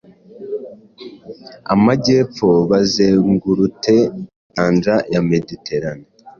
Amajyepfo bazengurute inyanja ya Mediterane